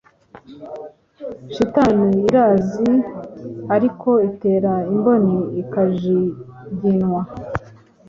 Shitani iranzi arko intera imboni ikajiginwa